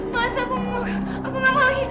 mas aku mohon aku gak mau lagi